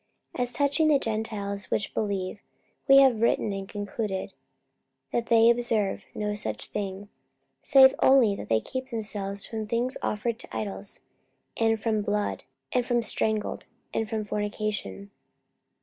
44:021:025 As touching the Gentiles which believe, we have written and concluded that they observe no such thing, save only that they keep themselves from things offered to idols, and from blood, and from strangled, and from fornication.